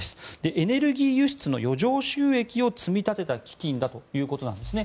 エネルギー輸出の余剰収益を積み立てた基金だということなんですね。